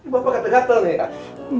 bapak gatel gatel nih